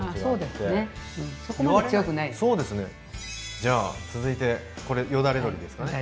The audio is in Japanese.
じゃあ続いてこれよだれ鶏ですかね。